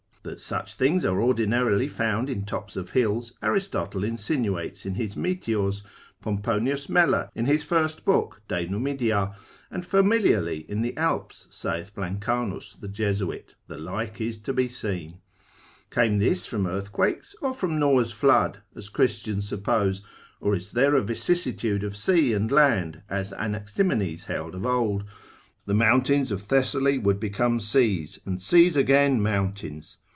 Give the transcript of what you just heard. That such things are ordinarily found in tops of hills, Aristotle insinuates in his meteors, Pomponius Mela in his first book, c. de Numidia, and familiarly in the Alps, saith Blancanus the Jesuit, the like is to be seen: came this from earthquakes, or from Noah's flood, as Christians suppose, or is there a vicissitude of sea and land, as Anaximenes held of old, the mountains of Thessaly would become seas, and seas again mountains?